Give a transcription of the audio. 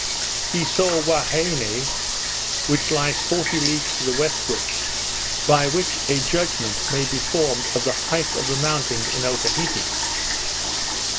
He saw Huaheine, which lies forty leagues to the westward; by which a judgment may be formed of the height of the mountains in Otaheite.